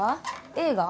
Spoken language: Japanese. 映画？